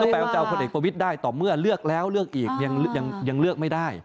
แปลว่าจะเอาพลเอกประวิทย์ได้ต่อเมื่อเลือกแล้วเลือกอีกยังเลือกไม่ได้